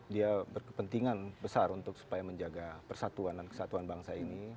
dia berkepentingan besar untuk supaya menjaga persatuan dan kesatuan bangsa ini